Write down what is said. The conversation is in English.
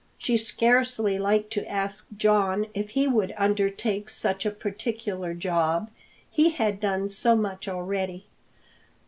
She scarcely liked to ask John if he would undertake such a particular job, he had done so much already.